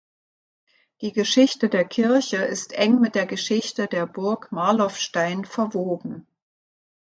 Die Geschichte der Kirche ist eng mit der Geschichte der Burg Marloffstein verwoben.